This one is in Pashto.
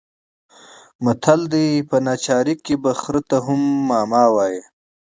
متل دی: په ناچارۍ کې به خره ته هم ماما وايې.